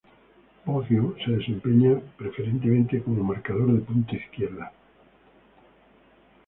Boggio se desempeñaba preferentemente como marcador de punta izquierda.